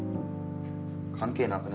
関係なくね？